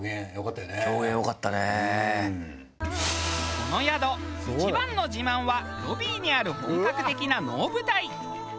この宿一番の自慢はロビーにある本格的な能舞台。